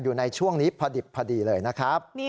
อยู่ในช่วงนี้พอดีเลยนะครับ